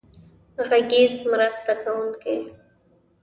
غږیز مرسته کوونکی.